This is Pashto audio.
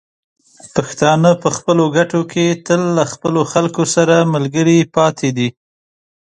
پښتانه په خپلو ګټو کې تل له خپلو خلکو سره ملګري پاتې دي.